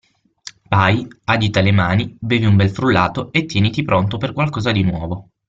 Vai, agita le mani, bevi un bel frullato, e tieniti pronto per qualcosa di nuovo!